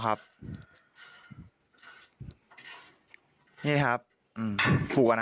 อ๋อตอนนี้เขากำลังบุกลุกนะ